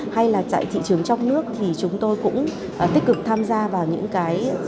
hay là tại thị trường trong nước thì chúng tôi cũng tích cực tham gia vào những cái